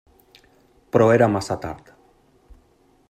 Però era massa tard.